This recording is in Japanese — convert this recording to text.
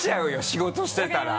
仕事してたら。